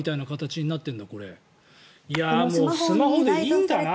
もうスマホでいいんだな。